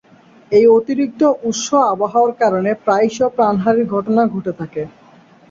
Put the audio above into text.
এই অতিরিক্ত উষ্ণ আবহাওয়ার কারণে প্রায়শই প্রাণহানির ঘটনা ঘটে থাকে।